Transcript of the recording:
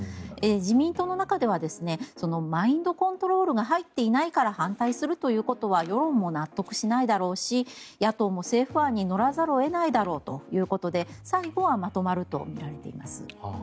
自民党の中ではマインドコントロールが入っていないから反対するということは世論も納得しないだろうし野党も政府案に乗らざるを得ないだろうということで最後はまとまるとみられています。